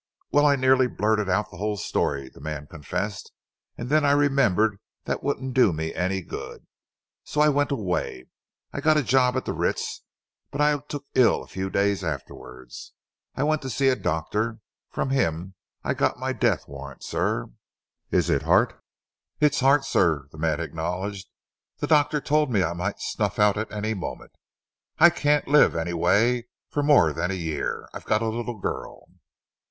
"Well, I nearly blurted out the whole story," the man confessed, "and then I remembered that wouldn't do me any good, so I went away. I got a job at the Ritz, but I was took ill a few days afterwards. I went to see a doctor. From him I got my death warrant, sir." "Is it heart?" "It's heart, sir," the man acknowledged. "The doctor told me I might snuff out at any moment. I can't live, anyway, for more than a year. I've got a little girl."